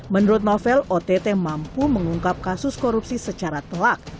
menurut novel ott mampu mengungkap kasus korupsi secara telak